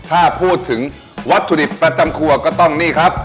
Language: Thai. ถ้าพูดถึงวัตถุดิบประจำครัวก็ต้องนี่ครับ